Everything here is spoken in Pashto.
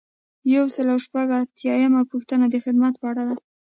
یو سل او شپږ اتیایمه پوښتنه د خدمت په اړه ده.